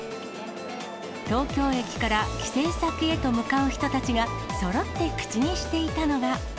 東京駅から帰省先へと向かう人たちがそろって口にしていたのが。